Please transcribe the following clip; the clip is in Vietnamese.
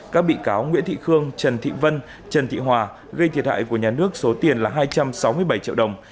các bị cáo nguyễn thị khương trần thị vân trần thị hòa gây thiệt hại của nhà nước số tiền là hai trăm sáu mươi bảy triệu đồng